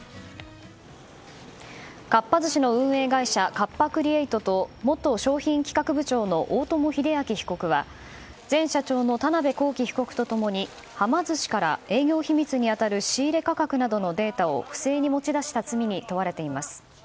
カッパ・クリエイトと元商品企画部長の大友英昭被告は前社長の田辺公己被告と共にはま寿司から営業秘密に当たる仕入れ価格などのデータを不正に持ち出した罪に問われています。